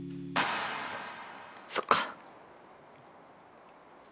◆そっか。